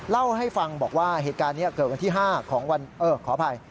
เล่าให้ฟังบอกว่าเหตุการณ์นี้เกิดวันที่๕ของวันขออภัย